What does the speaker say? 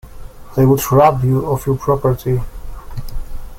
They would rob you of your property.